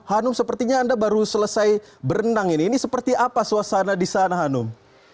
hanum sepertinya anda baru selesai berenang ini ini seperti apa suasana di sana hanum